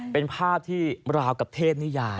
เป็นภาพที่ราวกับเทพนิยาย